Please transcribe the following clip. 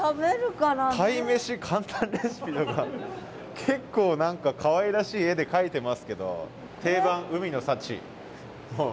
だって「鯛めし簡単レシピ」とか結構何かかわいらしい絵で描いてますけど。